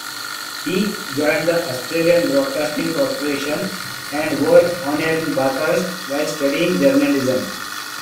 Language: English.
He joined the Australian Broadcasting Corporation and worked on-air in Bathurst while studying journalism.